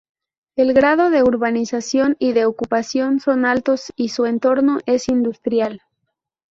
El grado de urbanización y de ocupación son altos y su entorno es industrial.